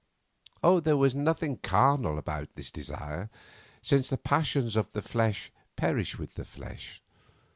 There was nothing carnal about this desire, since the passions of the flesh perish with the flesh.